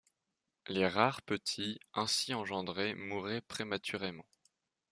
Les rares petits ainsi engendrés mouraient prématurément.